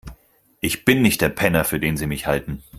Ich bin nicht der Penner, für den Sie mich halten.